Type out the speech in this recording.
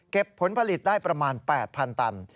ผลผลิตได้ประมาณ๘๐๐๐ตัน